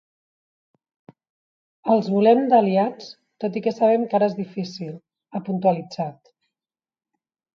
Els volem d’aliats tot i que sabem que ara és difícil, ha puntualitzat.